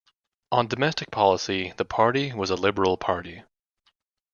On domestic policy, the party was a liberal party.